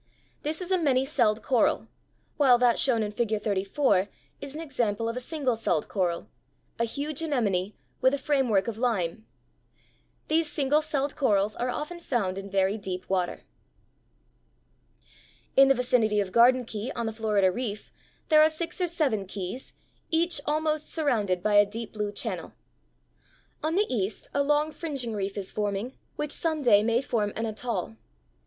This is a many celled coral, while that shown in Figure 34 is an example of a single celled coral, a huge anemone with a framework of lime. These single celled corals are often found in very deep water. [Illustration: FIG. 35. A single polyp coral (Caryophyllia).] In the vicinity of Garden Key on the Florida Reef there are six or seven keys, each almost surrounded by a deep blue channel. On the east a long fringing reef is forming which some day may form an atoll (Fig.